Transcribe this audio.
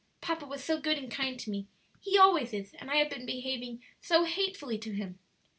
Papa was so good and kind to me he always is and I had been behaving so hatefully to him.